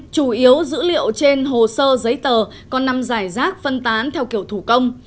chủ yếu dữ liệu trên hồ sơ giấy tờ còn nằm giải rác phân tán theo kiểu thủ công